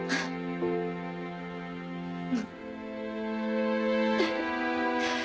うん。